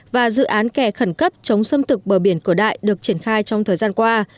và dự án kè khẩn cấp chống xâm thực bờ biển cửa đại được triển khai trong thời gian qua